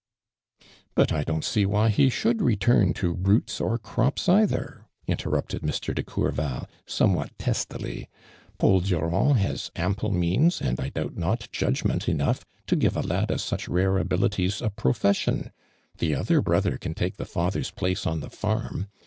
" But I don't see why he should return to roots or crops either!" interi'upted Mr. de Courval. somewhat testily. •' Paul Durand has ample means, and, 1 doubt not, jud^r ment enough to give a lad of such rare abi lities, a profession. The other brother can take the father's place on the farm.